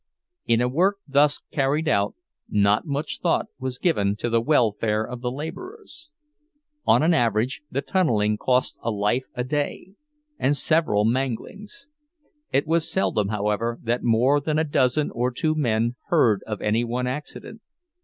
In a work thus carried out, not much thought was given to the welfare of the laborers. On an average, the tunneling cost a life a day and several manglings; it was seldom, however, that more than a dozen or two men heard of any one accident.